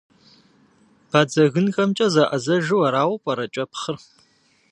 Бадзэгынхэмкӏэ зэӏэзэжу арауэ пӏэрэ кӏэпхъыр?